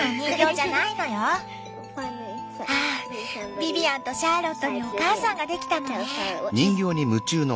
ビビアンとシャーロットにお母さんができたのね！